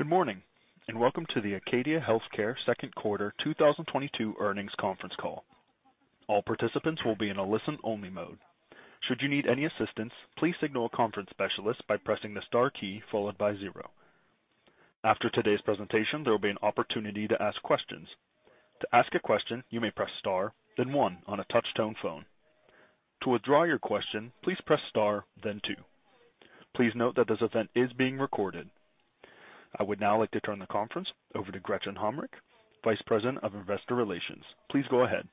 Good morning, and welcome to the Acadia Healthcare Q2 2022 earnings conference call. All participants will be in a listen-only mode. Should you need any assistance, please signal a conference specialist by pressing the star key followed by zero. After today's presentation, there will be an opportunity to ask questions. To ask a question, you may press star, then one on a touch-tone phone. To withdraw your question, please press star then two. Please note that this event is being recorded. I would now like to turn the conference over to Gretchen Hommrich, Vice President of Investor Relations. Please go ahead.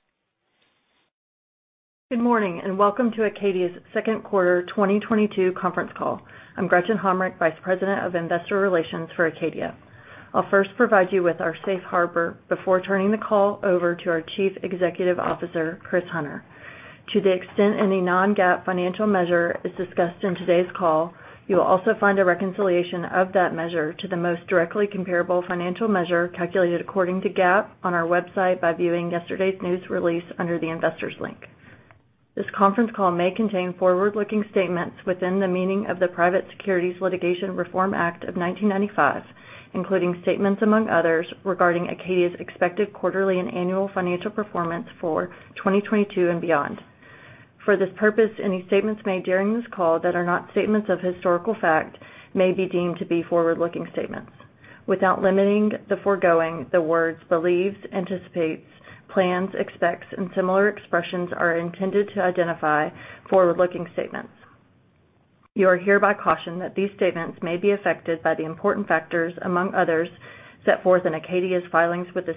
Good morning, and welcome to Acadia's Q2 2022 conference call. I'm Gretchen Hommrich, Vice President of Investor Relations for Acadia. I'll first provide you with our safe harbor before turning the call over to our Chief Executive Officer, Chris Hunter. To the extent any non-GAAP financial measure is discussed in today's call, you will also find a reconciliation of that measure to the most directly comparable financial measure calculated according to GAAP on our website by viewing yesterday's news release under the Investors link. This conference call may contain forward-looking statements within the meaning of the Private Securities Litigation Reform Act of 1995, including statements, among others, regarding Acadia's expected quarterly and annual financial performance for 2022 and beyond. For this purpose, any statements made during this call that are not statements of historical fact may be deemed to be forward-looking statements. Without limiting the foregoing, the words believes, anticipates, plans, expects, and similar expressions are intended to identify forward-looking statements. You are hereby cautioned that these statements may be affected by the important factors, among others, set forth in Acadia's filings with the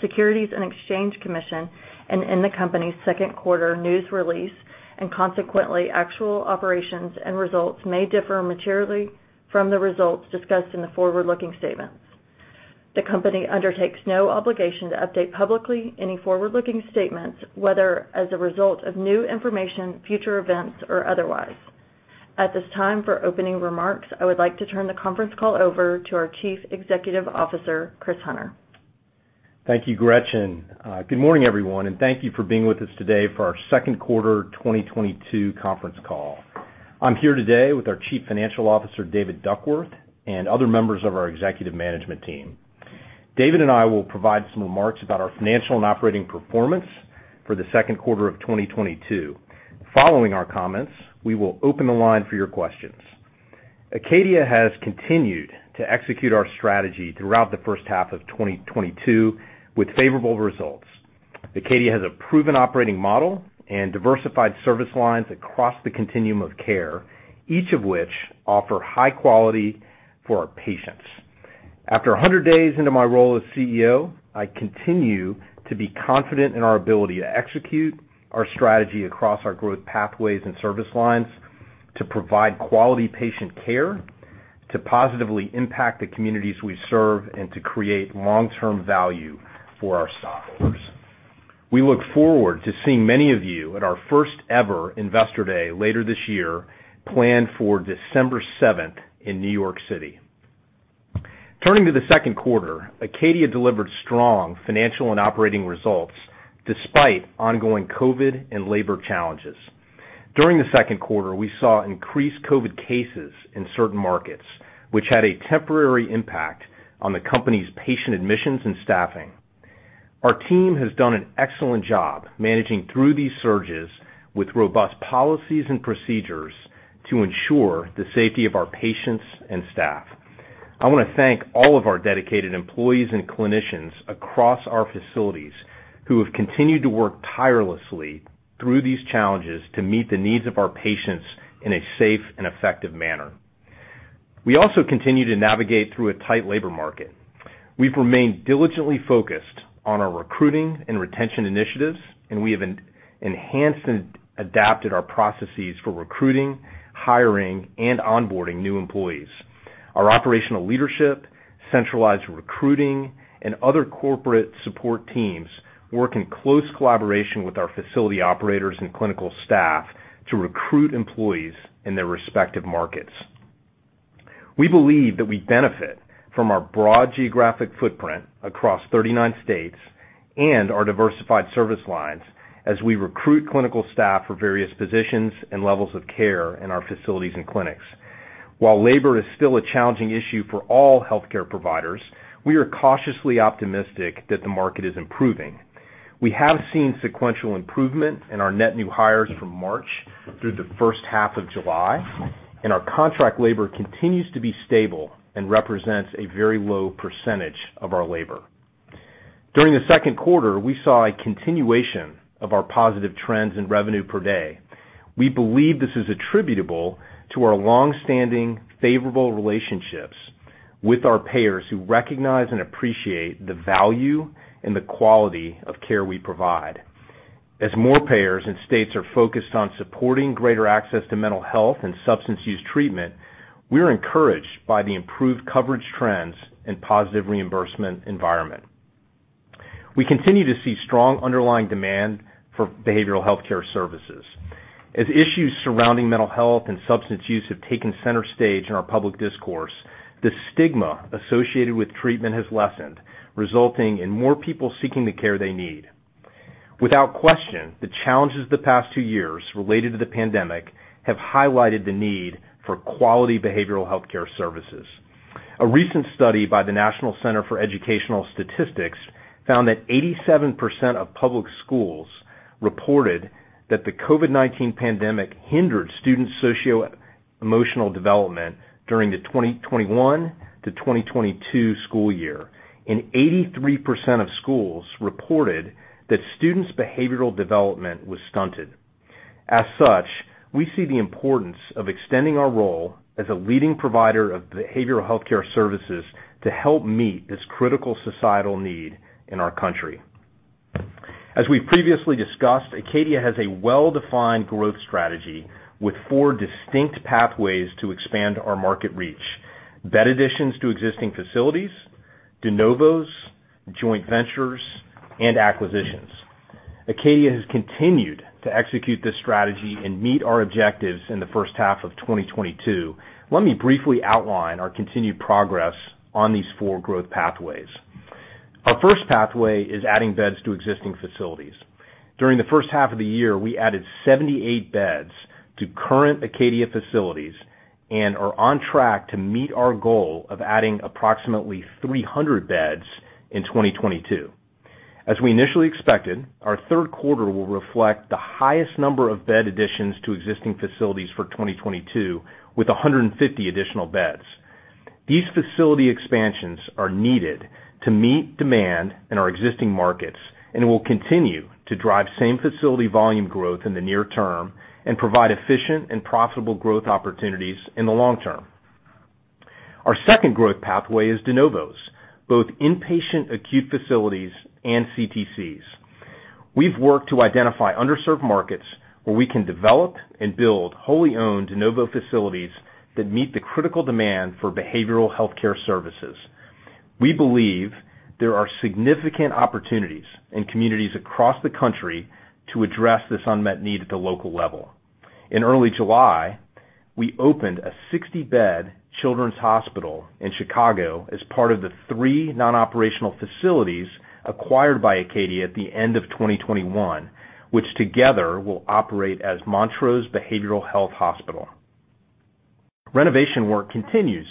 Securities and Exchange Commission and in the company's Q2 news release, and consequently, actual operations and results may differ materially from the results discussed in the forward-looking statements. The company undertakes no obligation to update publicly any forward-looking statements, whether as a result of new information, future events, or otherwise. At this time, for opening remarks, I would like to turn the conference call over to our Chief Executive Officer, Chris Hunter. Thank you, Gretchen. Good morning, everyone, and thank you for being with us today for our Q2 2022 conference call. I'm here today with our Chief Financial Officer, David Duckworth, and other members of our executive management team. David and I will provide some remarks about our financial and operating performance for the Q2 of 2022. Following our comments, we will open the line for your questions. Acadia has continued to execute our strategy throughout the H1 of 2022 with favorable results. Acadia has a proven operating model and diversified service lines across the continuum of care, each of which offer high quality for our patients. After 100 days into my role as CEO, I continue to be confident in our ability to execute our strategy across our growth pathways and service lines, to provide quality patient care, to positively impact the communities we serve, and to create long-term value for our stockholders. We look forward to seeing many of you at our first ever Investor Day later this year, planned for December seventh in New York City. Turning to the Q2, Acadia delivered strong financial and operating results despite ongoing COVID and labor challenges. During the Q2, we saw increased COVID cases in certain markets, which had a temporary impact on the company's patient admissions and staffing. Our team has done an excellent job managing through these surges with robust policies and procedures to ensure the safety of our patients and staff. I wanna thank all of our dedicated employees and clinicians across our facilities who have continued to work tirelessly through these challenges to meet the needs of our patients in a safe and effective manner. We also continue to navigate through a tight labor market. We've remained diligently focused on our recruiting and retention initiatives, and we have enhanced and adapted our processes for recruiting, hiring, and onboarding new employees. Our operational leadership, centralized recruiting, and other corporate support teams work in close collaboration with our facility operators and clinical staff to recruit employees in their respective markets. We believe that we benefit from our broad geographic footprint across 39 states and our diversified service lines as we recruit clinical staff for various positions and levels of care in our facilities and clinics. While labor is still a challenging issue for all healthcare providers, we are cautiously optimistic that the market is improving. We have seen sequential improvement in our net new hires from March through the H1 of July, and our contract labor continues to be stable and represents a very low percentage of our labor. During the Q2, we saw a continuation of our positive trends in revenue per day. We believe this is attributable to our long-standing favorable relationships with our payers who recognize and appreciate the value and the quality of care we provide. As more payers and states are focused on supporting greater access to mental health and substance use treatment, we're encouraged by the improved coverage trends and positive reimbursement environment. We continue to see strong underlying demand for behavioral healthcare services. As issues surrounding mental health and substance use have taken center stage in our public discourse, the stigma associated with treatment has lessened, resulting in more people seeking the care they need. Without question, the challenges of the past two years related to the pandemic have highlighted the need for quality behavioral healthcare services. A recent study by the National Center for Education Statistics found that 87% of public schools reported that the COVID-19 pandemic hindered students' socioemotional development during the 2021-2022 school year, and 83% of schools reported that students' behavioral development was stunted. As such, we see the importance of extending our role as a leading provider of behavioral healthcare services to help meet this critical societal need in our country. As we've previously discussed, Acadia has a well-defined growth strategy with four distinct pathways to expand our market reach, bed additions to existing facilities, de novos, joint ventures, and acquisitions. Acadia has continued to execute this strategy and meet our objectives in the H1 of 2022. Let me briefly outline our continued progress on these four growth pathways. Our first pathway is adding beds to existing facilities. During the H1 of the year, we added 78 beds to current Acadia facilities and are on track to meet our goal of adding approximately 300 beds in 2022. As we initially expected, our Q3 will reflect the highest number of bed additions to existing facilities for 2022 with 150 additional beds. These facility expansions are needed to meet demand in our existing markets and will continue to drive same-facility volume growth in the near term and provide efficient and profitable growth opportunities in the long term. Our second growth pathway is de novos, both inpatient acute facilities and CTCs. We've worked to identify underserved markets where we can develop and build wholly owned de novo facilities that meet the critical demand for behavioral healthcare services. We believe there are significant opportunities in communities across the country to address this unmet need at the local level. In early July, we opened a 60-bed children's hospital in Chicago as part of the three non-operational facilities acquired by Acadia at the end of 2021, which together will operate as Montrose Behavioral Health Hospital. Renovation work continues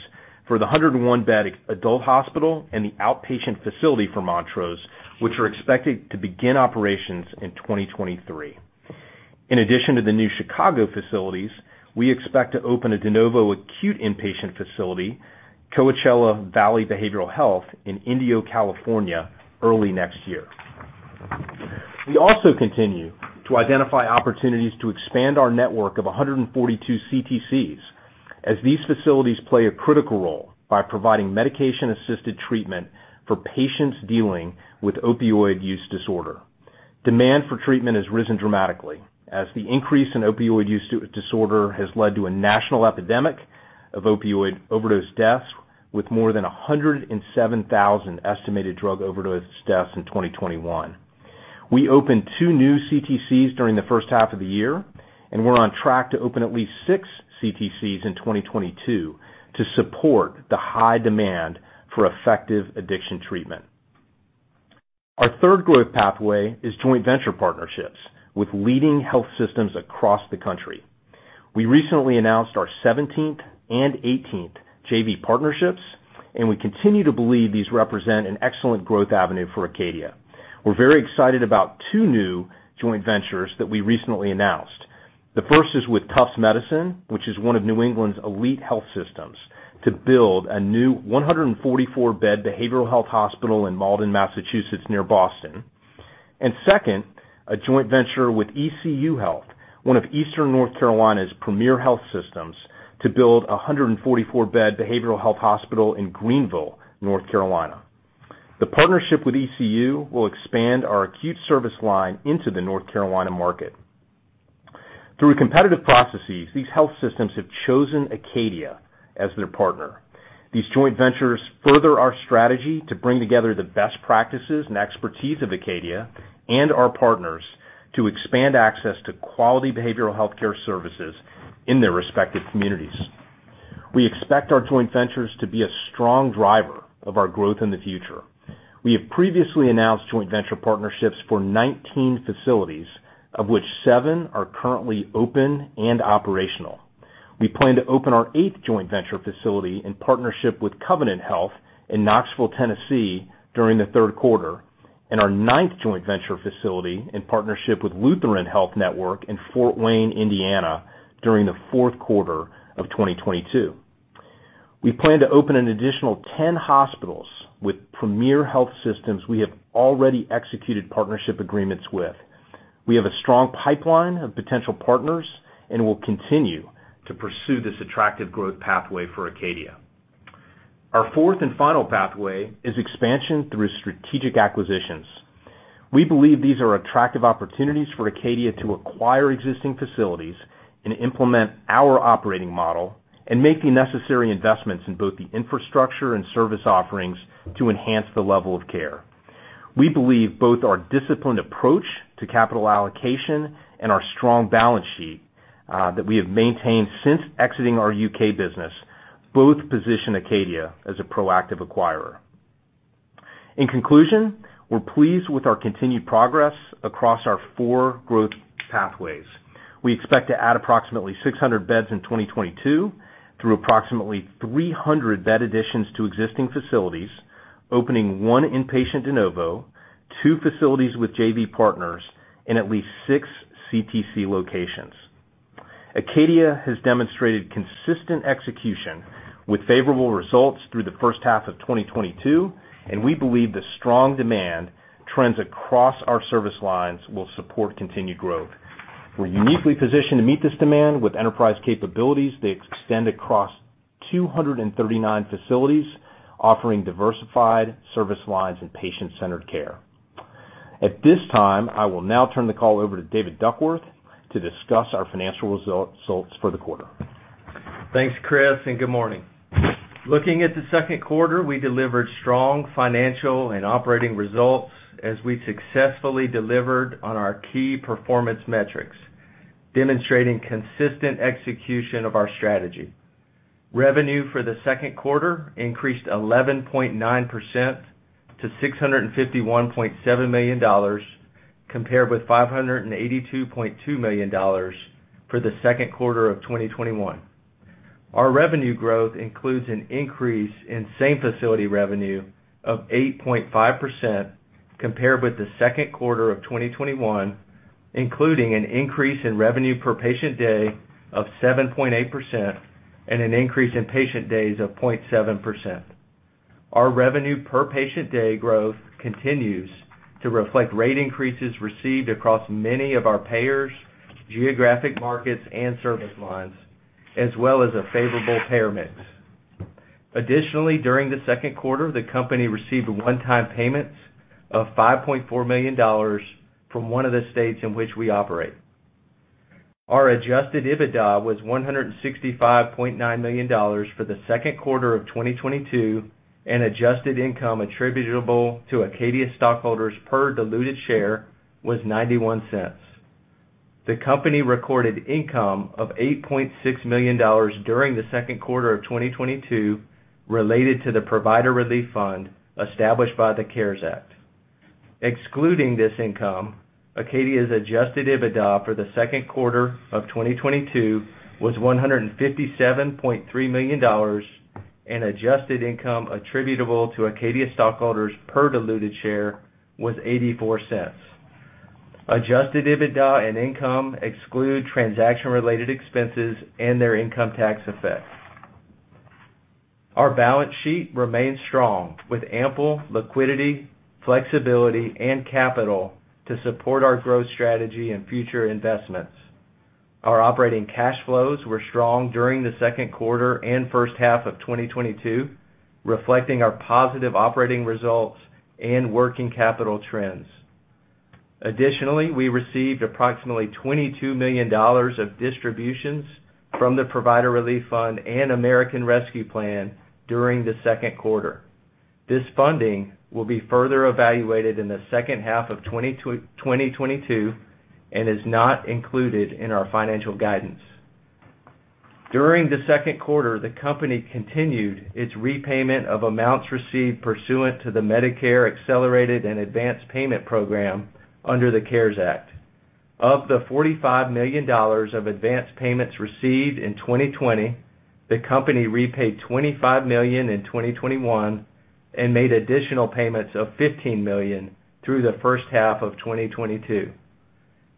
for the 101-bed adult hospital and the outpatient facility for Montrose, which are expected to begin operations in 2023. In addition to the new Chicago facilities, we expect to open a de novo acute inpatient facility, Coachella Valley Behavioral Health, in Indio, California, early next year. We also continue to identify opportunities to expand our network of 142 CTCs, as these facilities play a critical role by providing medication-assisted treatment for patients dealing with opioid use disorder. Demand for treatment has risen dramatically as the increase in opioid use disorder has led to a national epidemic of opioid overdose deaths with more than 107,000 estimated drug overdose deaths in 2021. We opened 2 new CTCs during the H1 of the year, and we're on track to open at least 6 CTCs in 2022 to support the high demand for effective addiction treatment. Our third growth pathway is joint venture partnerships with leading health systems across the country. We recently announced our 17th and 18th JV partnerships, and we continue to believe these represent an excellent growth avenue for Acadia. We're very excited about 2 new joint ventures that we recently announced. The first is with Tufts Medicine, which is one of New England's elite health systems, to build a new 144-bed behavioral health hospital in Malden, Massachusetts, near Boston. Second, a joint venture with ECU Health, one of Eastern North Carolina's premier health systems, to build a 144-bed behavioral health hospital in Greenville, North Carolina. The partnership with ECU Health will expand our acute service line into the North Carolina market. Through competitive processes, these health systems have chosen Acadia as their partner. These joint ventures further our strategy to bring together the best practices and expertise of Acadia and our partners to expand access to quality behavioral healthcare services in their respective communities. We expect our joint ventures to be a strong driver of our growth in the future. We have previously announced joint venture partnerships for 19 facilities, of which 7 are currently open and operational. We plan to open our eighth joint venture facility in partnership with Covenant Health in Knoxville, Tennessee, during the Q3, and our ninth joint venture facility in partnership with Lutheran Health Network in Fort Wayne, Indiana, during the Q4 of 2022. We plan to open an additional 10 hospitals with premier health systems we have already executed partnership agreements with. We have a strong pipeline of potential partners and will continue to pursue this attractive growth pathway for Acadia. Our fourth and final pathway is expansion through strategic acquisitions. We believe these are attractive opportunities for Acadia to acquire existing facilities and implement our operating model and make the necessary investments in both the infrastructure and service offerings to enhance the level of care. We believe both our disciplined approach to capital allocation and our strong balance sheet, that we have maintained since exiting our U.K. business. Both position Acadia as a proactive acquirer. In conclusion, we're pleased with our continued progress across our 4 growth pathways. We expect to add approximately 600 beds in 2022 through approximately 300 bed additions to existing facilities, opening 1 inpatient de novo, 2 facilities with JV partners and at least 6 CTC locations. Acadia has demonstrated consistent execution with favorable results through the H1 of 2022, and we believe the strong demand trends across our service lines will support continued growth. We're uniquely positioned to meet this demand with enterprise capabilities that extend across 239 facilities, offering diversified service lines and patient-centered care. At this time, I will now turn the call over to David Duckworth to discuss our financial results for the quarter. Thanks, Chris, and good morning. Looking at the Q2, we delivered strong financial and operating results as we successfully delivered on our key performance metrics, demonstrating consistent execution of our strategy. Revenue for the Q2 increased 11.9% to $651.7 million, compared with $582.2 million for the Q2 of 2021. Our revenue growth includes an increase in same-facility revenue of 8.5% compared with the Q2 of 2021, including an increase in revenue per patient day of 7.8% and an increase in patient days of 0.7%. Our revenue per patient day growth continues to reflect rate increases received across many of our payers, geographic markets, and service lines, as well as a favorable payer mix. Additionally, during the Q2, the company received a one-time payment of $5.4 million from one of the states in which we operate. Our adjusted EBITDA was $165.9 million for the Q2 of 2022, and adjusted income attributable to Acadia stockholders per diluted share was $0.91. The company recorded income of $8.6 million during the Q2 of 2022 related to the Provider Relief Fund established by the CARES Act. Excluding this income, Acadia's adjusted EBITDA for the Q2 of 2022 was $157.3 million, and adjusted income attributable to Acadia stockholders per diluted share was $0.84. Adjusted EBITDA and income exclude transaction-related expenses and their income tax effects. Our balance sheet remains strong, with ample liquidity, flexibility, and capital to support our growth strategy and future investments. Our operating cash flows were strong during the Q2 and H1 of 2022, reflecting our positive operating results and working capital trends. Additionally, we received approximately $22 million of distributions from the Provider Relief Fund and American Rescue Plan during the Q2. This funding will be further evaluated in the H2 of 2022 and is not included in our financial guidance. During the Q2, the company continued its repayment of amounts received pursuant to the Medicare Accelerated and Advance Payment Program under the CARES Act. Of the $45 million of advance payments received in 2020, the company repaid $25 million in 2021 and made additional payments of $15 million through the H1 of 2022.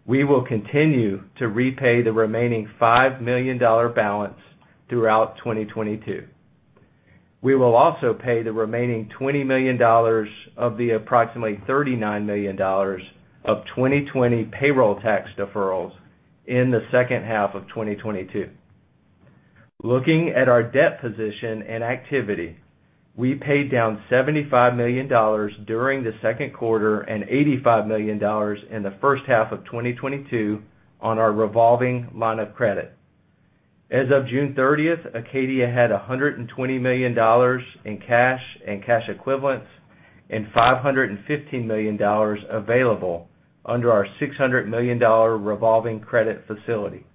We will continue to repay the remaining $5 million balance throughout 2022. We will also pay the remaining $20 million of the approximately $39 million of 2020 payroll tax deferrals in the H2 of 2022. Looking at our debt position and activity, we paid down $75 million during the Q2 and $85 million in the H1 of 2022 on our revolving line of credit. As of June 30, Acadia had $120 million in cash and cash equivalents and $515 million available under our $600 million revolving credit facility.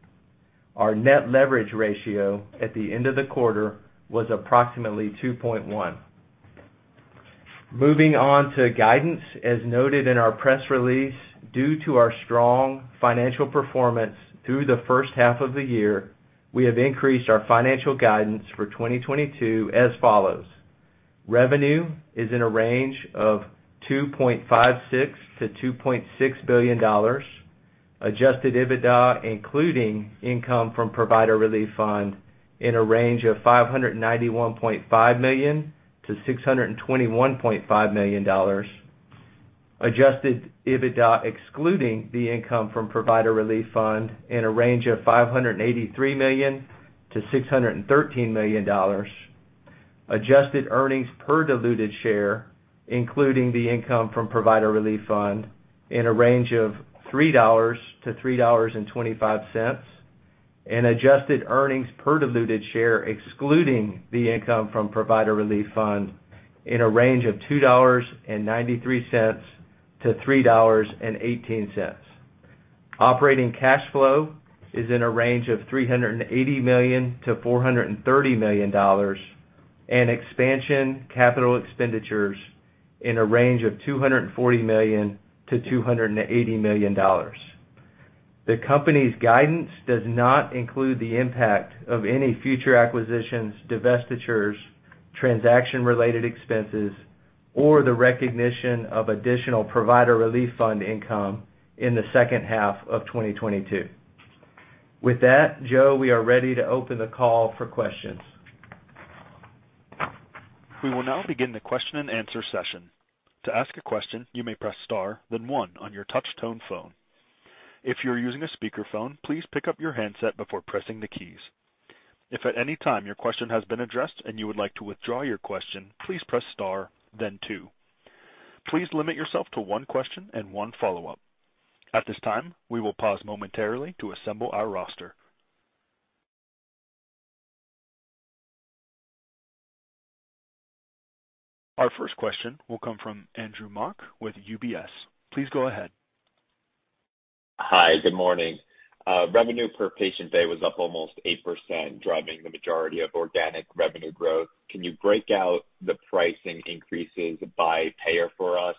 Our net leverage ratio at the end of the quarter was approximately 2.1. Moving on to guidance. As noted in our press release, due to our strong financial performance through the H1 of the year, we have increased our financial guidance for 2022 as follows. Revenue is in a range of $2.56 billion-$2.6 billion. Adjusted EBITDA, including income from Provider Relief Fund, in a range of $591.5 million-$621.5 million. Adjusted EBITDA, excluding the income from Provider Relief Fund, in a range of $583 million-$613 million. Adjusted earnings per diluted share, including the income from Provider Relief Fund, in a range of $3-$3.25. Adjusted earnings per diluted share excluding the income from Provider Relief Fund in a range of $2.93-$3.18. Operating cash flow is in a range of $380 million-$430 million, and expansion capital expenditures in a range of $240 million-$280 million. The company's guidance does not include the impact of any future acquisitions, divestitures, transaction-related expenses, or the recognition of additional Provider Relief Fund income in the H2 of 2022. With that, Joe, we are ready to open the call for questions. We will now begin the question-and-answer session. To ask a question, you may press star, then one on your touch tone phone. If you're using a speakerphone, please pick up your handset before pressing the keys. If at any time your question has been addressed and you would like to withdraw your question, please press star then two. Please limit yourself to one question and one follow-up. At this time, we will pause momentarily to assemble our roster. Our first question will come from Andrew Mok with UBS. Please go ahead. Hi, good morning. Revenue per patient day was up almost 8%, driving the majority of organic revenue growth. Can you break out the pricing increases by payer for us?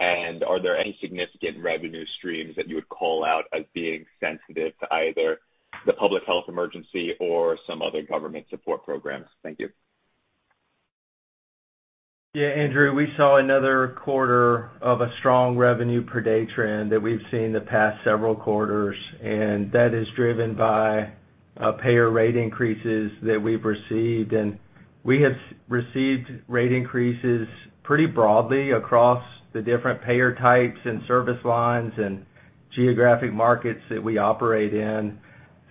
Are there any significant revenue streams that you would call out as being sensitive to either the public health emergency or some other government support programs? Thank you. Yeah, Andrew, we saw another quarter of a strong revenue per day trend that we've seen the past several quarters, and that is driven by payer rate increases that we've received. We have received rate increases pretty broadly across the different payer types and service lines and geographic markets that we operate in.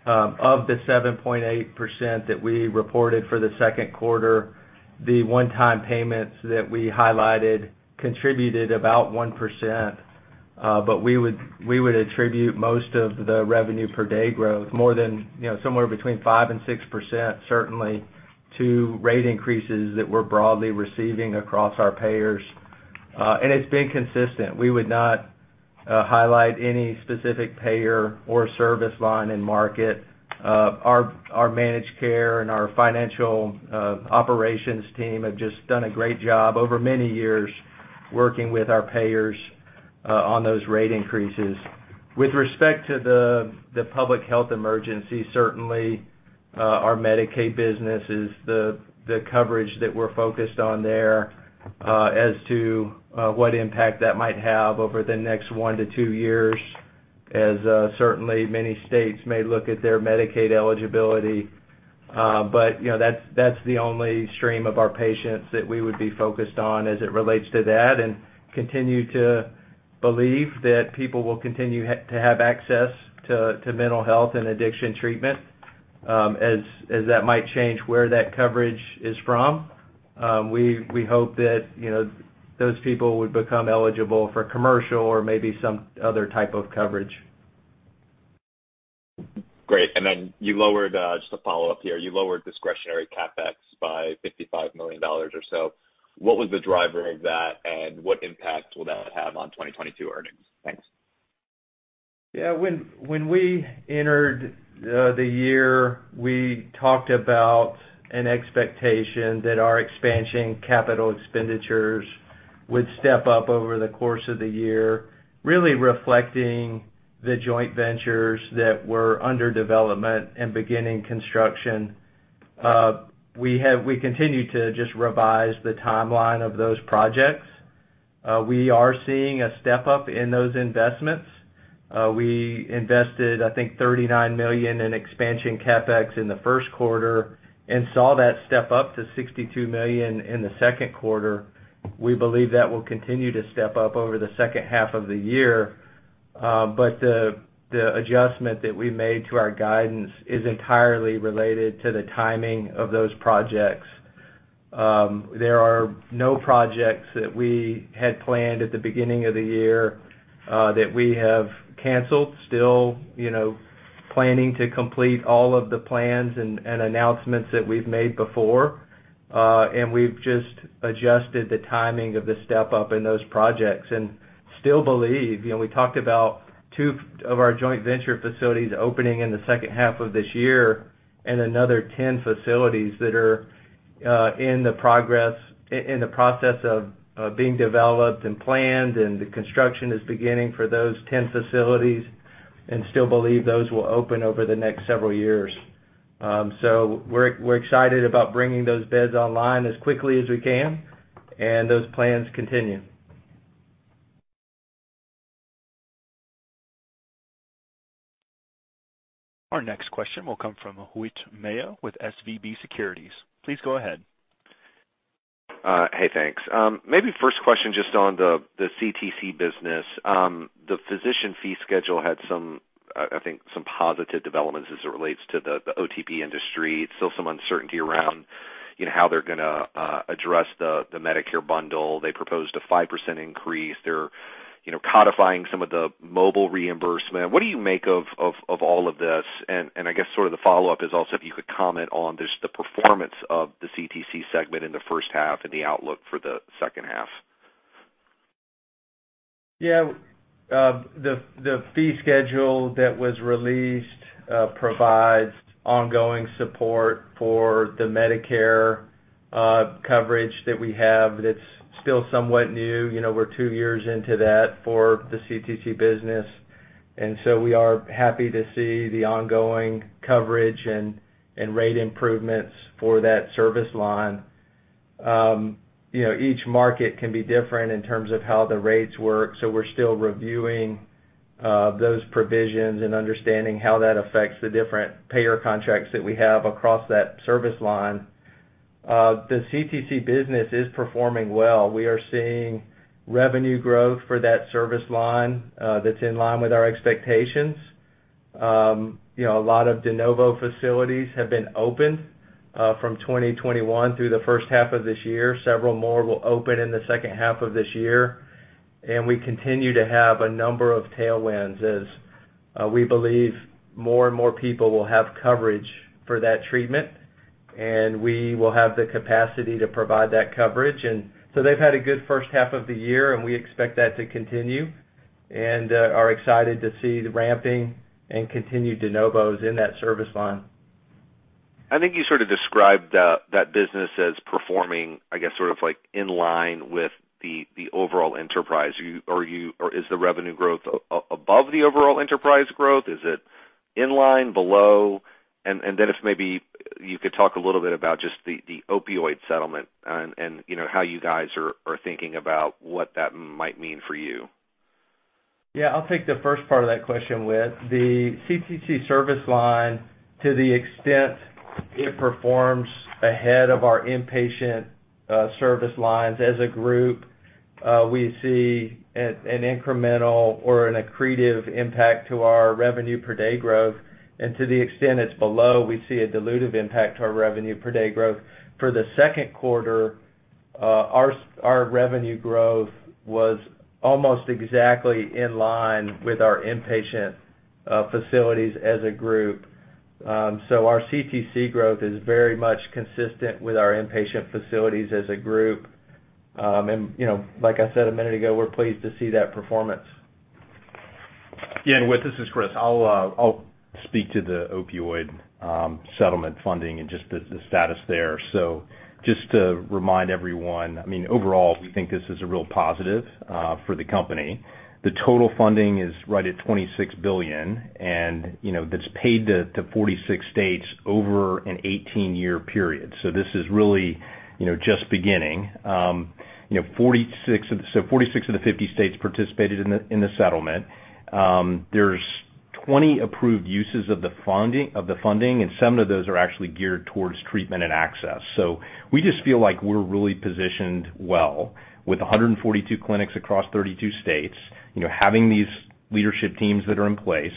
Of the 7.8% that we reported for the Q2, the one-time payments that we highlighted contributed about 1%, but we would attribute most of the revenue per day growth more than, you know, somewhere between 5%-6%, certainly to rate increases that we're broadly receiving across our payers. It's been consistent. We would not highlight any specific payer or service line in market. Our managed care and our financial operations team have just done a great job over many years working with our payers on those rate increases. With respect to the public health emergency, certainly, our Medicaid business is the coverage that we're focused on there, as to what impact that might have over the next 1-2 years as certainly many states may look at their Medicaid eligibility. You know, that's the only stream of our patients that we would be focused on as it relates to that and continue to believe that people will continue to have access to mental health and addiction treatment, as that might change where that coverage is from. We hope that, you know, those people would become eligible for commercial or maybe some other type of coverage. Great. Just to follow up here, you lowered discretionary CapEx by $55 million or so. What was the driver of that, and what impact will that have on 2022 earnings? Thanks. Yeah, when we entered the year, we talked about an expectation that our expansion capital expenditures would step up over the course of the year, really reflecting the joint ventures that were under development and beginning construction. We continue to just revise the timeline of those projects. We are seeing a step-up in those investments. We invested, I think, $39 million in expansion CapEx in the Q1 and saw that step up to $62 million in the Q2. We believe that will continue to step up over the H2 of the year. The adjustment that we made to our guidance is entirely related to the timing of those projects. There are no projects that we had planned at the beginning of the year that we have canceled. Still, you know, planning to complete all of the plans and announcements that we've made before, and we've just adjusted the timing of the step-up in those projects. Still believe, you know, we talked about 2 of our joint venture facilities opening in the H2 of this year and another 10 facilities that are in the process of being developed and planned, and the construction is beginning for those 10 facilities, and still believe those will open over the next several years. We're excited about bringing those beds online as quickly as we can, and those plans continue. Our next question will come from Whit Mayo with SVB Securities. Please go ahead. Hey, thanks. Maybe first question just on the CTC business. The physician fee schedule had some, I think some positive developments as it relates to the OTP industry. Still some uncertainty around, you know, how they're gonna address the Medicare bundle. They proposed a 5% increase. They're, you know, codifying some of the mobile reimbursement. What do you make of all of this? I guess sort of the follow-up is also if you could comment on just the performance of the CTC segment in the H1 and the outlook for the H2. Yeah. The fee schedule that was released provides ongoing support for the Medicare coverage that we have that's still somewhat new. You know, we're two years into that for the CTC business, and so we are happy to see the ongoing coverage and rate improvements for that service line. You know, each market can be different in terms of how the rates work, so we're still reviewing those provisions and understanding how that affects the different payer contracts that we have across that service line. The CTC business is performing well. We are seeing revenue growth for that service line that's in line with our expectations. You know, a lot of de novo facilities have been opened from 2021 through the H1 of this year. Several more will open in the H2 of this year. We continue to have a number of tailwinds as we believe more and more people will have coverage for that treatment, and we will have the capacity to provide that coverage. They've had a good H1 of the year, and we expect that to continue, and are excited to see the ramping and continued de novos in that service line. I think you sort of described that business as performing, I guess, sort of like in line with the overall enterprise. Or is the revenue growth above the overall enterprise growth? Is it in line? Below? If maybe you could talk a little bit about just the opioid settlement and, you know, how you guys are thinking about what that might mean for you. Yeah. I'll take the first part of that question, Whit. The CTC service line, to the extent it performs ahead of our inpatient service lines as a group, we see an incremental or an accretive impact to our revenue per day growth. To the extent it's below, we see a dilutive impact to our revenue per day growth. For the Q2, our revenue growth was almost exactly in line with our inpatient facilities as a group. Our CTC growth is very much consistent with our inpatient facilities as a group. You know, like I said a minute ago, we're pleased to see that performance. Yeah. Whit, this is Chris. I'll speak to the opioid settlement funding and just the status there. Just to remind everyone, I mean, overall, we think this is a real positive for the company. The total funding is right at $26 billion, and you know, that's paid to 46 states over an 18-year period. This is really you know, just beginning. You know, 46 of the 50 states participated in the settlement. There's 20 approved uses of the funding, and some of those are actually geared towards treatment and access. We just feel like we're really positioned well with 142 clinics across 32 states, you know, having these leadership teams that are in place,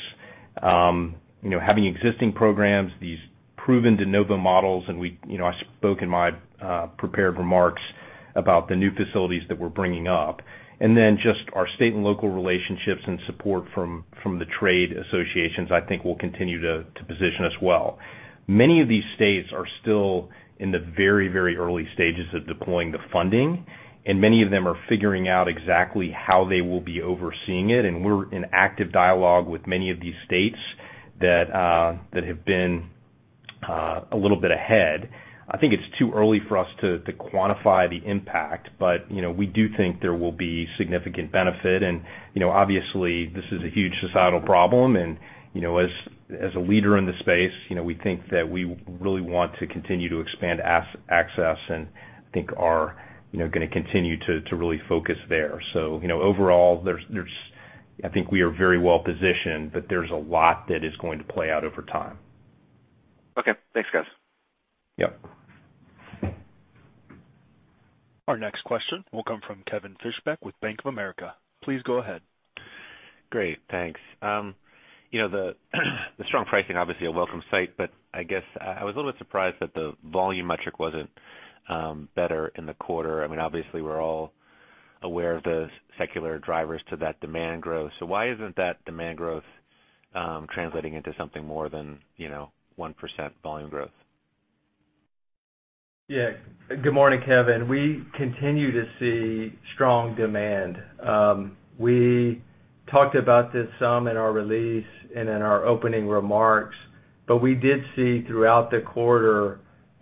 you know, having existing programs, these proven de novo models, and we, you know, I spoke in my prepared remarks about the new facilities that we're bringing up. Just our state and local relationships and support from the trade associations, I think, will continue to position us well. Many of these states are still in the very, very early stages of deploying the funding, and many of them are figuring out exactly how they will be overseeing it, and we're in active dialogue with many of these states that have been a little bit ahead. I think it's too early for us to quantify the impact, but you know, we do think there will be significant benefit. You know, obviously, this is a huge societal problem. You know, as a leader in the space, you know, we think that we really want to continue to expand access and think we're gonna continue to really focus there. You know, overall there's I think we are very well positioned, but there's a lot that is going to play out over time. Okay. Thanks, guys. Yep. Our next question will come from Kevin Fischbeck with Bank of America. Please go ahead. Great. Thanks. You know, the strong pricing obviously a welcome sight, but I guess I was a little bit surprised that the volume metric wasn't better in the quarter. I mean, obviously, we're all aware of the secular drivers to that demand growth. Why isn't that demand growth translating into something more than, you know, 1% volume growth? Yeah. Good morning, Kevin. We continue to see strong demand. We talked about this some in our release and in our opening remarks, but we did see throughout the quarter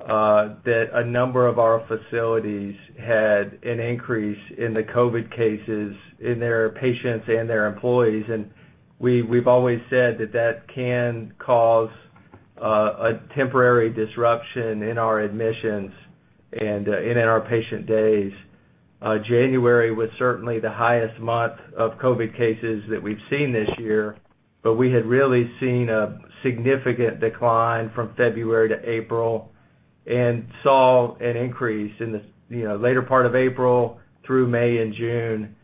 that a number of our facilities had an increase in the COVID cases in their patients and their employees. We've always said that that can cause a temporary disruption in our admissions and in our patient days. January was certainly the highest month of COVID cases that we've seen this year, but we had really seen a significant decline from February to April and saw an increase, you know, later part of April through May and June.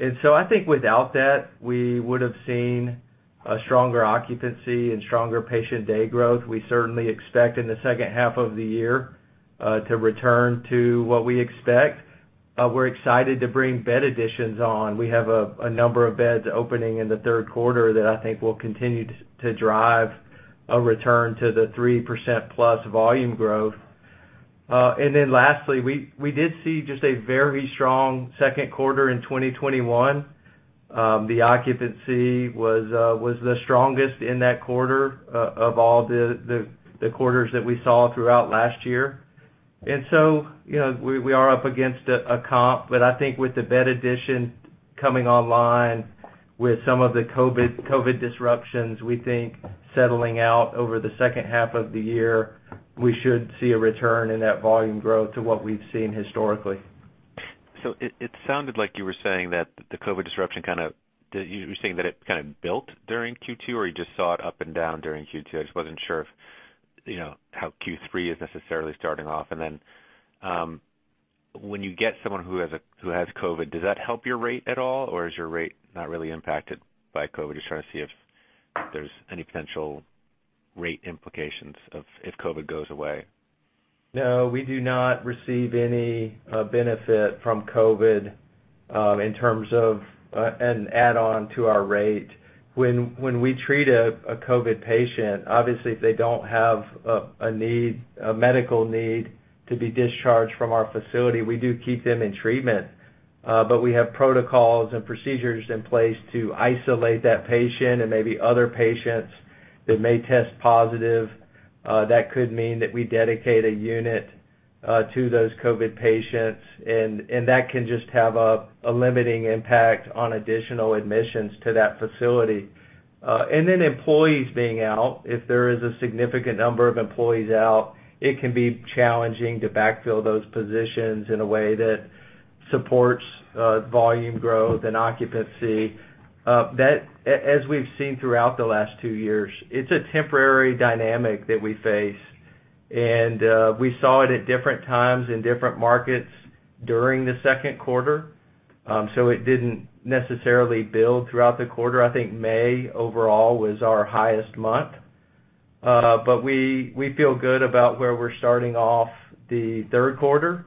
I think without that, we would've seen a stronger occupancy and stronger patient day growth. We certainly expect in the H2 of the year to return to what we expect. We're excited to bring bed additions on. We have a number of beds opening in the Q3 that I think will continue to drive a return to the +3% volume growth. Lastly, we did see just a very strong Q2 in 2021. The occupancy was the strongest in that quarter of all the quarters that we saw throughout last year. You know, we are up against a comp, but I think with the bed addition coming online with some of the COVID disruptions, we think settling out over the H2 of the year, we should see a return in that volume growth to what we've seen historically. It sounded like you were saying that the COVID disruption kind of built during Q2, or you just saw it up and down during Q2? I just wasn't sure if, you know, how Q3 is necessarily starting off. When you get someone who has COVID, does that help your rate at all, or is your rate not really impacted by COVID? Just trying to see if there's any potential rate implications or if COVID goes away. No, we do not receive any benefit from COVID in terms of an add-on to our rate. When we treat a COVID patient, obviously, if they don't have a need, a medical need to be discharged from our facility, we do keep them in treatment. We have protocols and procedures in place to isolate that patient and maybe other patients that may test positive. That could mean that we dedicate a unit to those COVID patients, and that can just have a limiting impact on additional admissions to that facility. Employees being out, if there is a significant number of employees out, it can be challenging to backfill those positions in a way that supports volume growth and occupancy. As we've seen throughout the last 2 years, it's a temporary dynamic that we face. We saw it at different times in different markets during the Q2. It didn't necessarily build throughout the quarter. I think May overall was our highest month. We feel good about where we're starting off the Q3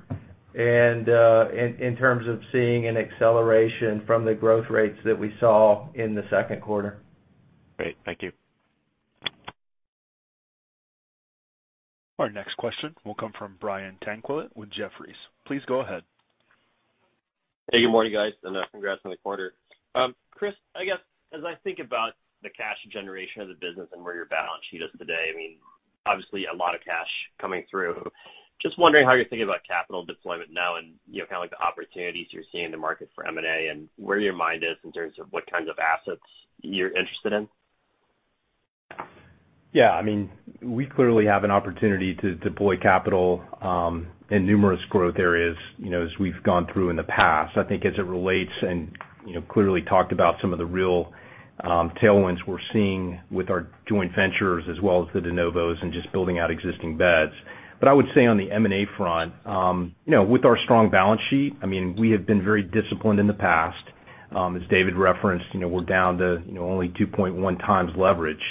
and in terms of seeing an acceleration from the growth rates that we saw in the Q2. Great. Thank you. Our next question will come from Brian Tanquilut with Jefferies. Please go ahead. Hey, good morning, guys, and congrats on the quarter. Chris, I guess, as I think about the cash generation of the business and where your balance sheet is today, I mean, obviously a lot of cash coming through. Just wondering how you're thinking about capital deployment now and, you know, kind of like the opportunities you're seeing in the market for M&A and where your mind is in terms of what kinds of assets you're interested in? Yeah. I mean, we clearly have an opportunity to deploy capital in numerous growth areas, you know, as we've gone through in the past. I think as it relates and, you know, clearly talked about some of the real tailwinds we're seeing with our joint ventures as well as the de novos and just building out existing beds. I would say on the M&A front, you know, with our strong balance sheet, I mean, we have been very disciplined in the past. As David referenced, you know, we're down to, you know, only 2.1x leverage.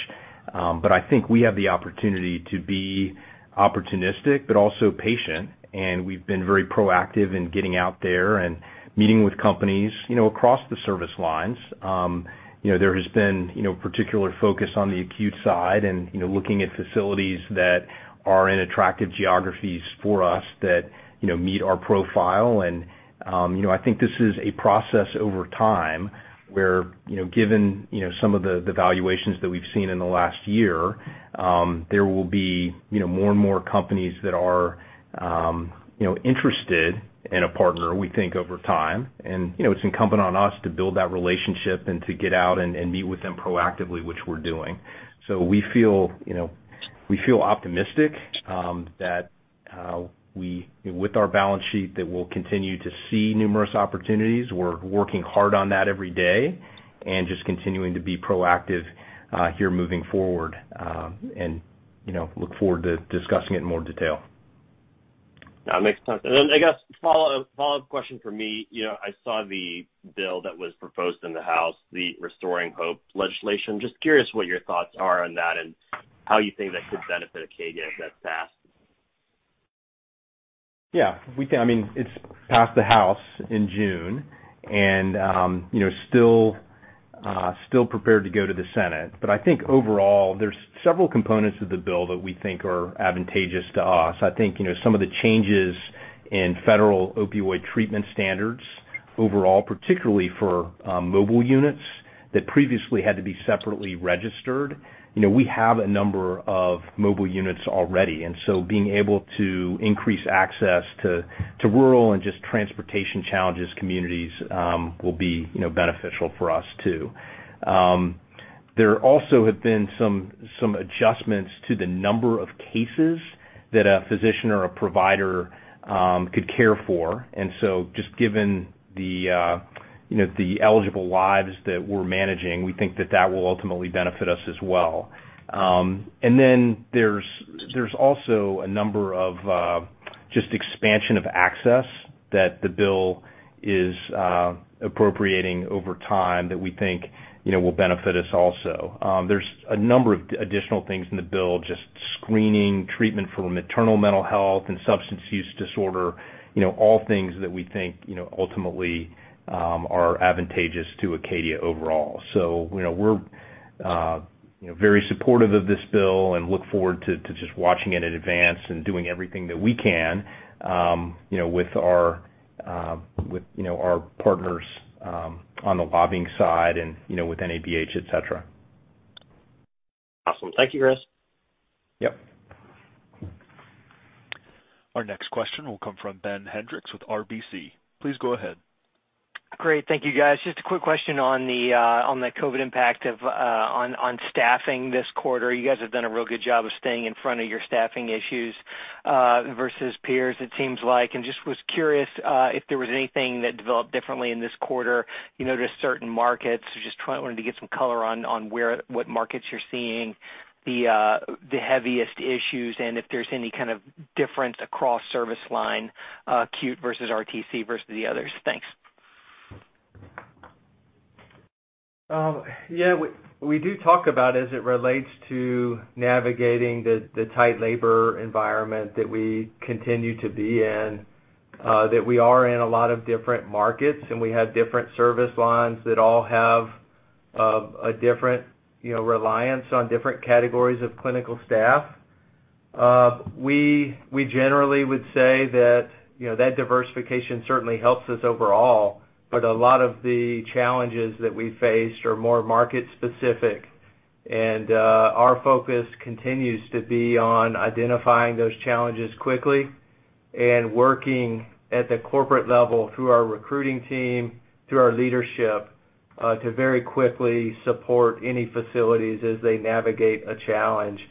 I think we have the opportunity to be opportunistic but also patient. We've been very proactive in getting out there and meeting with companies, you know, across the service lines. You know, there has been particular focus on the acute side and, you know, looking at facilities that are in attractive geographies for us that, you know, meet our profile. I think this is a process over time, where, you know, given some of the valuations that we've seen in the last year, there will be more and more companies that are, you know, interested in a partner, we think, over time. It's incumbent on us to build that relationship and to get out and meet with them proactively, which we're doing. We feel optimistic that with our balance sheet, we'll continue to see numerous opportunities. We're working hard on that every day and just continuing to be proactive here moving forward, and you know, look forward to discussing it in more detail. No, makes sense. I guess follow-up question from me. You know, I saw the bill that was proposed in the House, the Restoring Hope legislation. Just curious what your thoughts are on that and how you think that could benefit Acadia if that's passed. Yeah. I mean, it's passed the House in June and, you know, still prepared to go to the Senate. I think overall, there's several components of the bill that we think are advantageous to us. I think, you know, some of the changes in federal opioid treatment standards overall, particularly for mobile units that previously had to be separately registered. You know, we have a number of mobile units already, and so being able to increase access to rural and just transportation challenges communities will be, you know, beneficial for us too. There also have been some adjustments to the number of cases that a physician or a provider could care for. Just given the, you know, the eligible lives that we're managing, we think that will ultimately benefit us as well. There's also a number of just expansion of access that the bill is appropriating over time that we think, you know, will benefit us also. There's a number of additional things in the bill, just screening, treatment for maternal mental health and substance use disorder, you know, all things that we think, you know, ultimately are advantageous to Acadia overall. You know, we're very supportive of this bill and look forward to just watching it in advance and doing everything that we can, you know, with our partners on the lobbying side and, you know, with NABH, et cetera. Awesome. Thank you, Chris. Yep. Our next question will come from Ben Hendrix with RBC. Please go ahead. Great. Thank you, guys. Just a quick question on the COVID impact on staffing this quarter. You guys have done a real good job of staying in front of your staffing issues versus peers it seems like. Just was curious if there was anything that developed differently in this quarter, you noticed certain markets. Wanted to get some color on what markets you're seeing the heaviest issues and if there's any kind of difference across service line, acute versus RTC versus the others. Thanks. Yeah, we do talk about as it relates to navigating the tight labor environment that we continue to be in, that we are in a lot of different markets, and we have different service lines that all have a different, you know, reliance on different categories of clinical staff. We generally would say that, you know, that diversification certainly helps us overall, but a lot of the challenges that we faced are more market-specific. Our focus continues to be on identifying those challenges quickly and working at the corporate level through our recruiting team, through our leadership, to very quickly support any facilities as they navigate a challenge.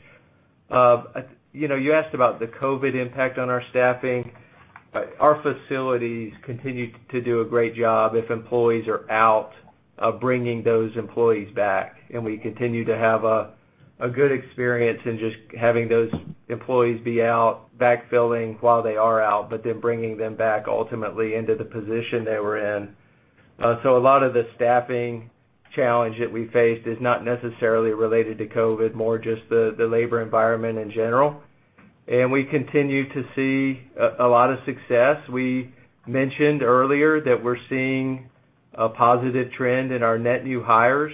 You know, you asked about the COVID impact on our staffing. Our facilities continue to do a great job if employees are out, of bringing those employees back. We continue to have a good experience in just having those employees be out, backfilling while they are out, but then bringing them back ultimately into the position they were in. So a lot of the staffing challenge that we faced is not necessarily related to COVID, more just the labor environment in general. We continue to see a lot of success. We mentioned earlier that we're seeing a positive trend in our net new hires,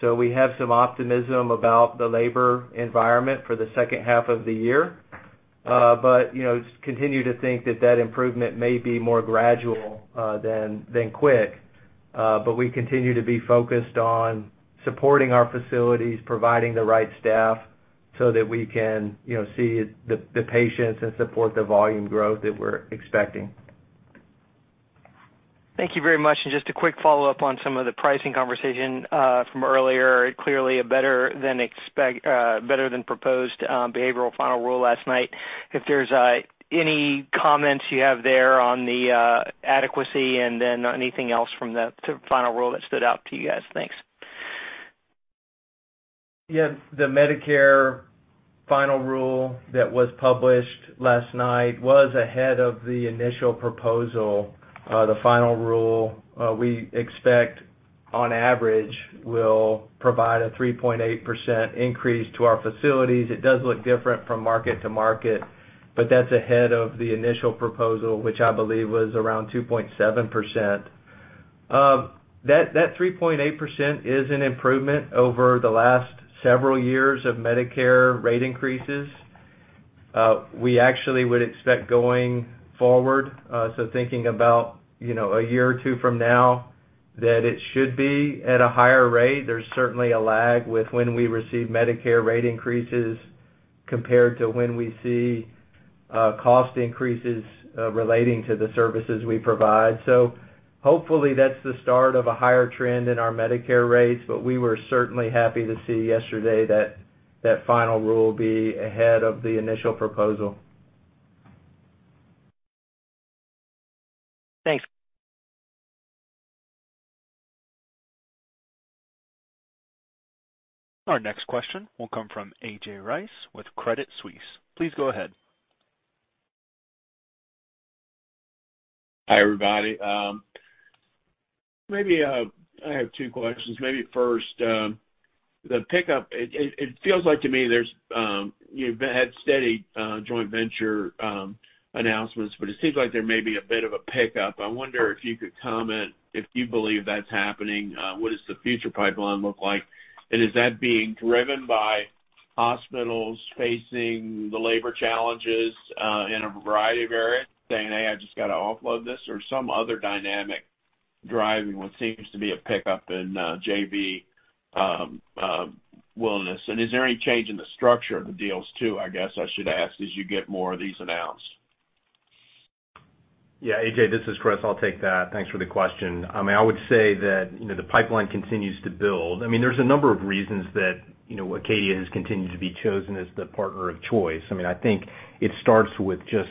so we have some optimism about the labor environment for the H2 of the year. You know, just continue to think that that improvement may be more gradual than quick. We continue to be focused on supporting our facilities, providing the right staff so that we can, you know, see the patients and support the volume growth that we're expecting. Thank you very much. Just a quick follow-up on some of the pricing conversation from earlier. Clearly better than proposed behavioral final rule last night. If there's any comments you have there on the adequacy and then anything else from the final rule that stood out to you guys. Thanks. Yeah. The Medicare final rule that was published last night was ahead of the initial proposal. The final rule, we expect on average will provide a 3.8% increase to our facilities. It does look different from market to market, but that's ahead of the initial proposal, which I believe was around 2.7%. That 3.8% is an improvement over the last several years of Medicare rate increases. We actually would expect going forward, so thinking about, you know, a year or two from now, that it should be at a higher rate. There's certainly a lag with when we receive Medicare rate increases compared to when we see cost increases relating to the services we provide. Hopefully that's the start of a higher trend in our Medicare rates, but we were certainly happy to see yesterday that final rule was ahead of the initial proposal. Thanks. Our next question will come from A.J. Rice with Credit Suisse. Please go ahead. Hi, everybody. Maybe I have two questions. Maybe first, the pickup. It feels like to me that you've had steady joint venture announcements, but it seems like there may be a bit of a pickup. I wonder if you could comment if you believe that's happening, what does the future pipeline look like? Is that being driven by hospitals facing the labor challenges in a variety of areas, saying, "Hey, I just gotta offload this," or some other dynamic driving what seems to be a pickup in JVs? Is there any change in the structure of the deals too, I guess I should ask, as you get more of these announced? Yeah, A.J., this is Chris. I'll take that. Thanks for the question. I mean, I would say that, you know, the pipeline continues to build. I mean, there's a number of reasons that, you know, Acadia has continued to be chosen as the partner of choice. I mean, I think it starts with just,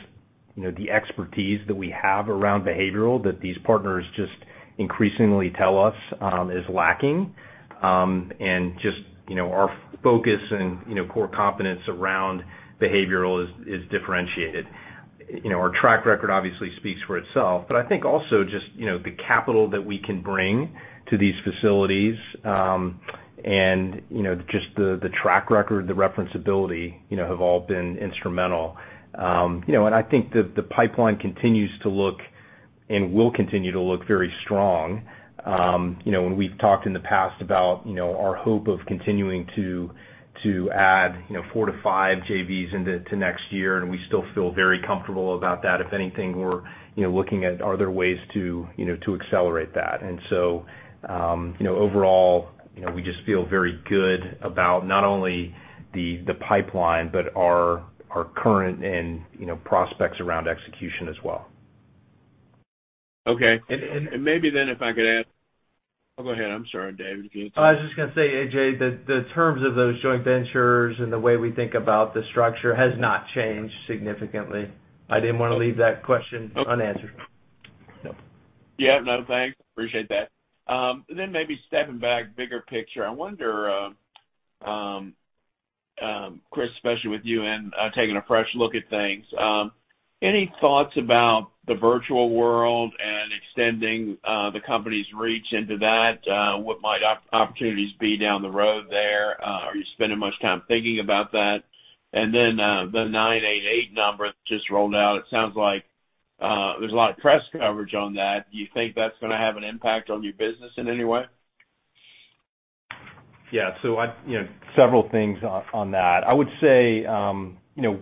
you know, the expertise that we have around behavioral that these partners just increasingly tell us is lacking. And just, you know, our focus and, you know, core competence around behavioral is differentiated. You know, our track record obviously speaks for itself, but I think also just, you know, the capital that we can bring to these facilities and, you know, just the track record, the reference ability, you know, have all been instrumental. You know, I think the pipeline continues to look and will continue to look very strong. You know, when we've talked in the past about, you know, our hope of continuing to add, you know, four to five JVs into next year, and we still feel very comfortable about that. If anything, we're, you know, looking at are there ways to, you know, to accelerate that. You know, overall, you know, we just feel very good about not only the pipeline but our current and, you know, prospects around execution as well. Okay. Maybe then if I could add. Oh, go ahead. I'm sorry, David. I was just gonna say, A.J., the terms of those joint ventures and the way we think about the structure has not changed significantly. I didn't wanna leave that question unanswered. Okay. Yeah. No, thanks. Appreciate that. Then maybe stepping back, bigger picture, I wonder, Chris, especially with you and taking a fresh look at things, any thoughts about the virtual world and extending the company's reach into that? What might opportunities be down the road there? Are you spending much time thinking about that? Then the 988 number just rolled out. It sounds like there's a lot of press coverage on that. Do you think that's gonna have an impact on your business in any way? Yeah. I'd, you know, several things on that. I would say, you know,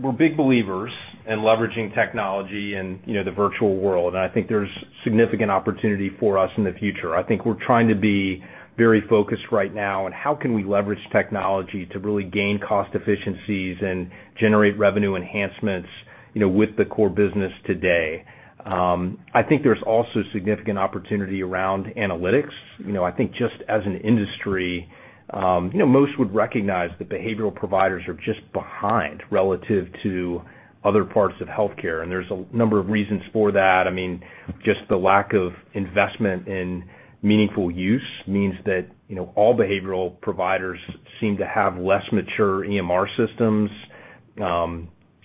we're big believers in leveraging technology in, you know, the virtual world, and I think there's significant opportunity for us in the future. I think we're trying to be very focused right now on how can we leverage technology to really gain cost efficiencies and generate revenue enhancements, you know, with the core business today. I think there's also significant opportunity around analytics. You know, I think just as an industry, you know, most would recognize that behavioral providers are just behind relative to other parts of healthcare, and there's a number of reasons for that. I mean, just the lack of investment in Meaningful Use means that, you know, all behavioral providers seem to have less mature EMR systems,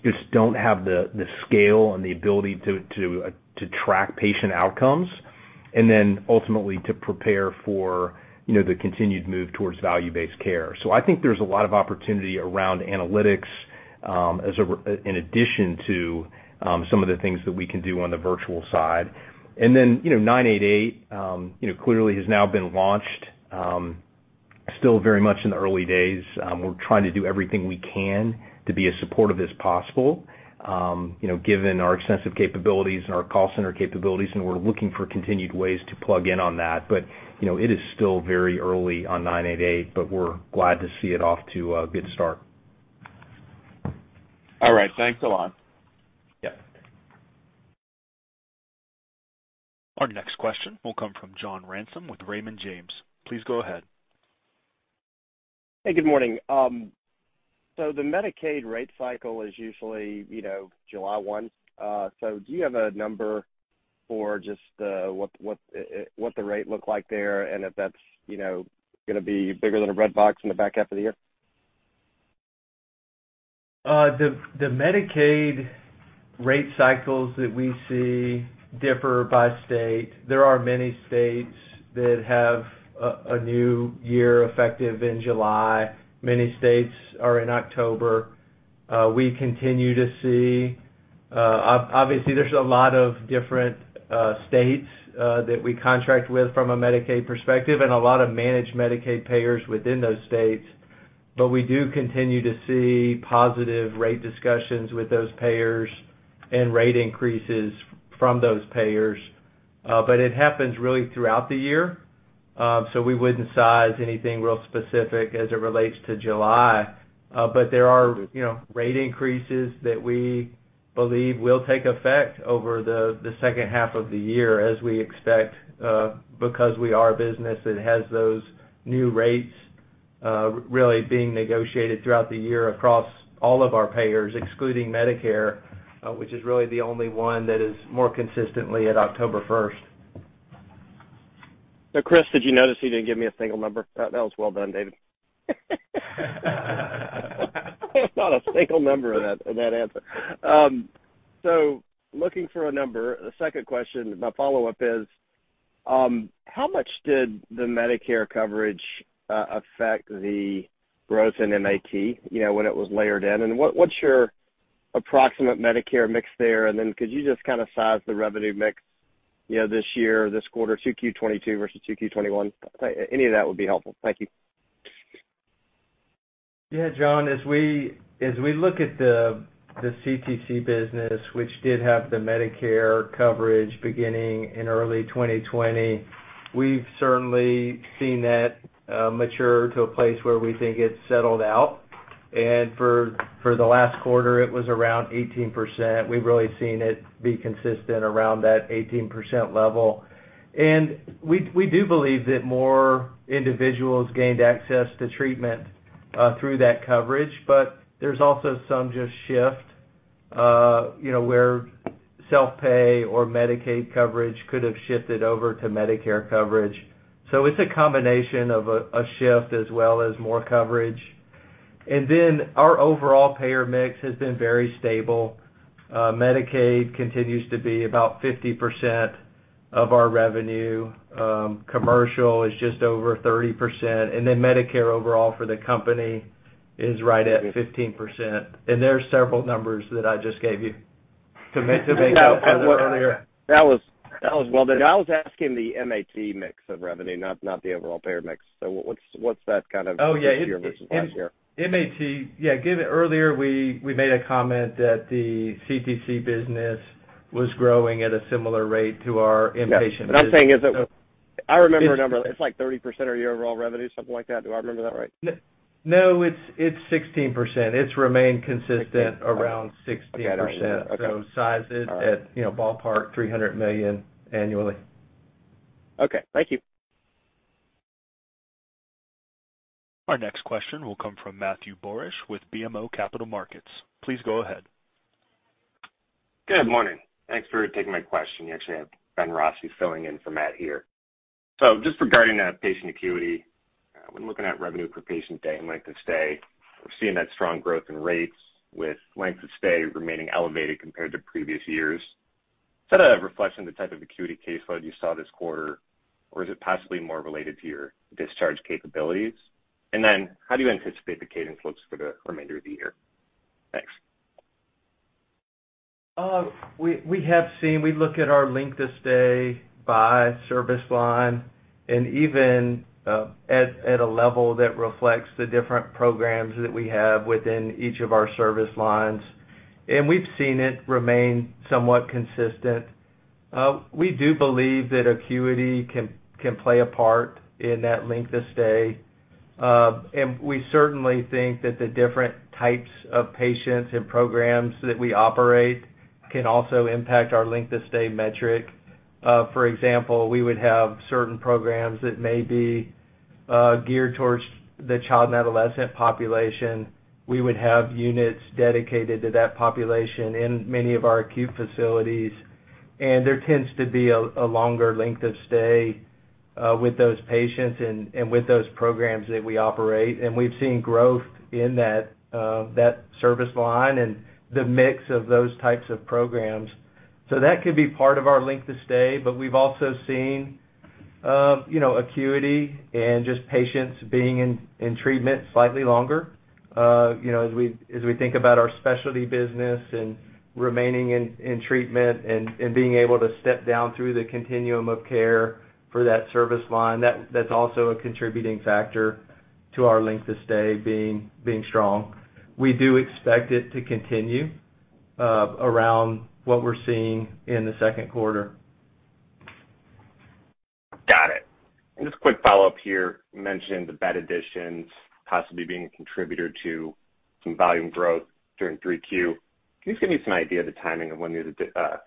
just don't have the scale and the ability to track patient outcomes, and then ultimately to prepare for, you know, the continued move towards value-based care. I think there's a lot of opportunity around analytics, in addition to some of the things that we can do on the virtual side. You know, 988 clearly has now been launched, still very much in the early days. We're trying to do everything we can to be as supportive as possible, you know, given our extensive capabilities and our call center capabilities, and we're looking for continued ways to plug in on that. You know, it is still very early on 988, but we're glad to see it off to a good start. All right. Thanks a lot. Yep. Our next question will come from John Ransom with Raymond James. Please go ahead. Hey, good morning. The Medicaid rate cycle is usually, you know, July 1. Do you have a number for just what the rate look like there, and if that's, you know, gonna be bigger than a red box in the back half of the year? The Medicaid rate cycles that we see differ by state. There are many states that have a new year effective in July. Many states are in October. We continue to see, obviously, there's a lot of different states that we contract with from a Medicaid perspective and a lot of managed Medicaid payers within those states. We do continue to see positive rate discussions with those payers and rate increases from those payers. It happens really throughout the year. We wouldn't size anything real specific as it relates to July. There are, you know, rate increases that we believe will take effect over the H2 of the year as we expect, because we are a business that has those new rates really being negotiated throughout the year across all of our payers, excluding Medicare, which is really the only one that is more consistently at October first. Chris, did you notice he didn't give me a single number? That was well done, David. There was not a single number in that answer. Looking for a number, the second question, my follow-up is, how much did the Medicare coverage affect the growth in MAT, you know, when it was layered in? And what's your approximate Medicare mix there? And then could you just kinda size the revenue mix, you know, this year or this quarter, Q1 2022 versus Q2 2021? Any of that would be helpful. Thank you. Yeah, John, as we look at the CTC business, which did have the Medicare coverage beginning in early 2020, we've certainly seen that mature to a place where we think it's settled out. For the last quarter, it was around 18%. We've really seen it be consistent around that 18% level. We do believe that more individuals gained access to treatment through that coverage, but there's also some just shift, you know, where self-pay or Medicaid coverage could have shifted over to Medicare coverage. It's a combination of a shift as well as more coverage. Our overall payer mix has been very stable. Medicaid continues to be about 50% of our revenue. Commercial is just over 30%, and then Medicare overall for the company is right at 15%. There are several numbers that I just gave you. To make earlier. That was well done. I was asking the MAT mix of revenue, not the overall payer mix. What's that kind of- Oh, yeah. year versus last year? MAT, yeah, given earlier, we made a comment that the CTC business was growing at a similar rate to our inpatient business. I'm saying is that I remember a number. It's like 30% of your overall revenue, something like that. Do I remember that right? No, it's 16%. It's remained consistent around 16%. Okay. Size it at, you know, ballpark $300 million annually. Okay, thank you. Our next question will come from Matthew Borsch with BMO Capital Markets. Please go ahead. Good morning. Thanks for taking my question. You actually have Ben Rossi filling in for Matt here. Just regarding that patient acuity, when looking at revenue per patient day and length of stay, we're seeing that strong growth in rates with length of stay remaining elevated compared to previous years. Is that a reflection of the type of acuity caseload you saw this quarter, or is it possibly more related to your discharge capabilities? Then how do you anticipate the cadence looks for the remainder of the year? Thanks. We look at our length of stay by service line and even at a level that reflects the different programs that we have within each of our service lines, and we've seen it remain somewhat consistent. We do believe that acuity can play a part in that length of stay, and we certainly think that the different types of patients and programs that we operate can also impact our length of stay metric. For example, we would have certain programs that may be geared towards the child and adolescent population. We would have units dedicated to that population in many of our acute facilities, and there tends to be a longer length of stay with those patients and with those programs that we operate. We've seen growth in that service line and the mix of those types of programs. That could be part of our length of stay, but we've also seen, you know, acuity and just patients being in treatment slightly longer. You know, as we think about our specialty business and remaining in treatment and being able to step down through the continuum of care for that service line, that's also a contributing factor to our length of stay being strong. We do expect it to continue around what we're seeing in the Q2. Got it. Just a quick follow-up here. You mentioned the bed additions possibly being a contributor to some volume growth during Q3. Can you just give me some idea of the timing of when these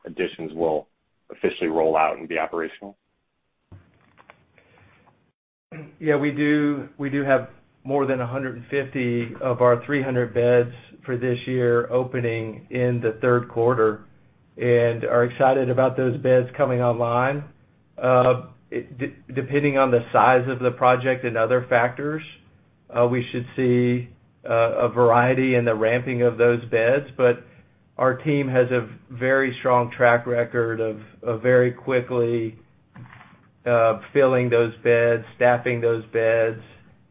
additions will officially roll out and be operational? Yeah, we do have more than 150 of our 300 beds for this year opening in the Q3 and are excited about those beds coming online. Depending on the size of the project and other factors, we should see a variety in the ramping of those beds. Our team has a very strong track record of very quickly filling those beds, staffing those beds,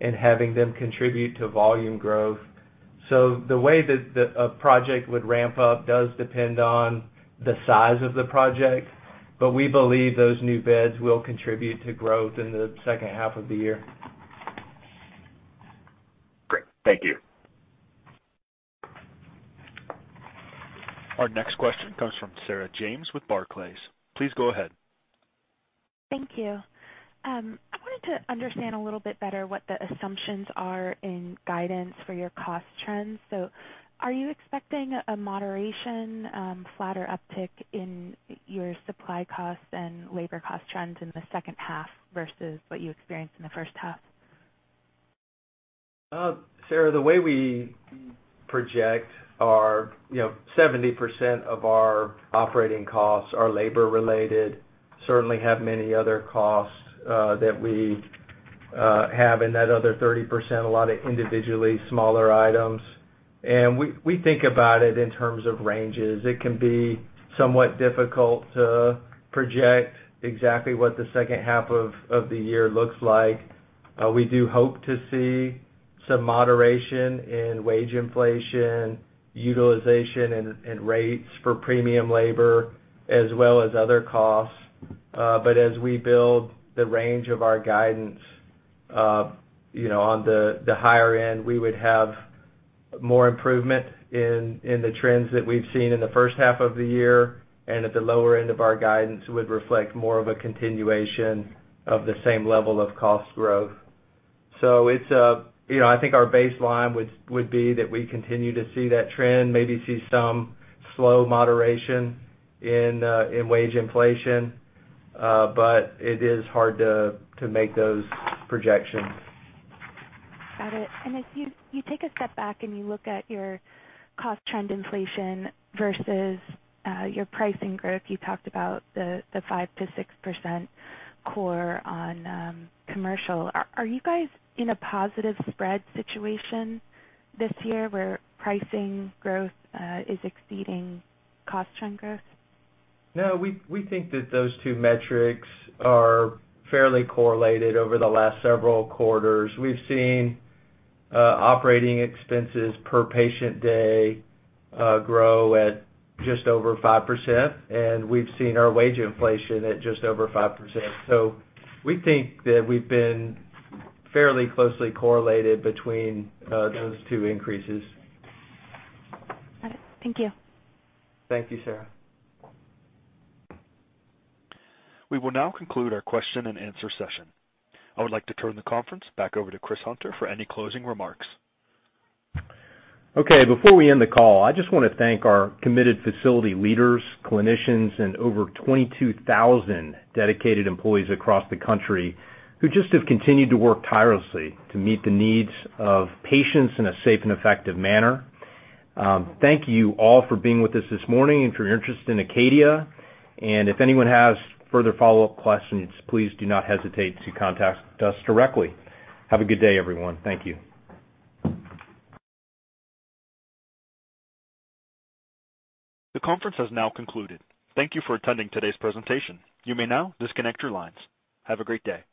and having them contribute to volume growth. The way that a project would ramp up does depend on the size of the project, but we believe those new beds will contribute to growth in the H2 of the year. Great. Thank you. Our next question comes from Sarah James with Barclays. Please go ahead. Thank you. I wanted to understand a little bit better what the assumptions are in guidance for your cost trends. Are you expecting a moderation, flatter uptick in your supply costs and labor cost trends in the H2 versus what you experienced in the H1? Sarah, the way we project our, you know, 70% of our operating costs are labor-related. Certainly have many other costs, that we have in that other 30%, a lot of individually smaller items. We think about it in terms of ranges. It can be somewhat difficult to project exactly what the H2 of the year looks like. We do hope to see some moderation in wage inflation, utilization and rates for premium labor, as well as other costs. As we build the range of our guidance, you know, on the higher end, we would have more improvement in the trends that we've seen in the H1 of the year. At the lower end of our guidance would reflect more of a continuation of the same level of cost growth. It's, you know, I think our baseline would be that we continue to see that trend, maybe see some slow moderation in wage inflation, but it is hard to make those projections. Got it. If you take a step back and you look at your cost trend inflation versus your pricing growth, you talked about the five to six percent core on commercial. Are you guys in a positive spread situation this year where pricing growth is exceeding cost trend growth? No, we think that those two metrics are fairly correlated over the last several quarters. We've seen operating expenses per patient day grow at just over 5%, and we've seen our wage inflation at just over 5%. We think that we've been fairly closely correlated between those two increases. Got it. Thank you. Thank you, Sarah. We will now conclude our question and answer session. I would like to turn the conference back over to Chris Hunter for any closing remarks. Okay. Before we end the call, I just wanna thank our committed facility leaders, clinicians, and over 22,000 dedicated employees across the country who just have continued to work tirelessly to meet the needs of patients in a safe and effective manner. Thank you all for being with us this morning and for your interest in Acadia. If anyone has further follow-up questions, please do not hesitate to contact us directly. Have a good day, everyone. Thank you. The conference has now concluded. Thank you for attending today's presentation. You may now disconnect your lines. Have a great day.